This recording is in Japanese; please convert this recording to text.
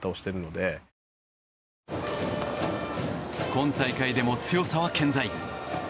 今大会でも強さは健在。